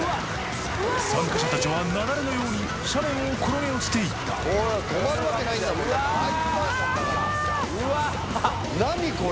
参加者達は雪崩のように斜面を転げ落ちていった何これ？